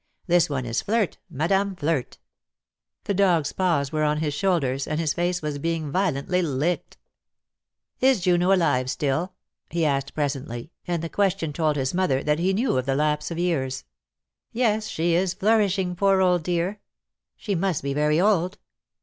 This one is Flirt, Madame Flirt." The dog's paws were on his shoulders, and his face was being violently licked. "Is Juno alive still?" he asked presently, and the question told his mother that he knew of the lapse of years. . Dead Love has Chains. 7 98 DEAD LOVE HAS CHAINS. "Yes, she is flourishing, poor old dear!" "She must be very old!"